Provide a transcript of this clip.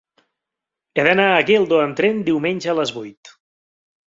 He d'anar a Geldo amb tren diumenge a les vuit.